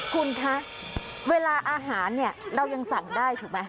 คุณคะเวลาอาหารเนี่ยเรายังสั่งได้ถูกไหม